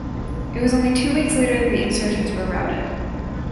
It was only two weeks later that the insurgents were routed.